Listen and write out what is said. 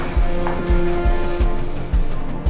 ding ding ding ding ding ding ding ding ding